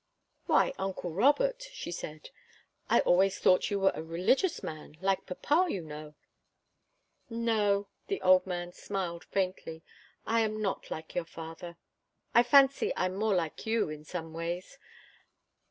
"Why, uncle Robert," she said, "I always thought you were a religious man like papa, you know." "No." The old man smiled faintly. "I'm not like your father. I fancy I'm more like you in some ways.